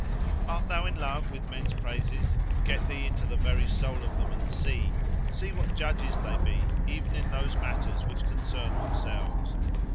"Art thou in love with men's praises, get thee into the very soul of them, and see!—see what judges they be, even in those matters which concern themselves.